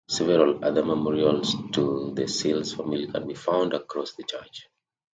Several other memorials to the Sills family can be found across the church.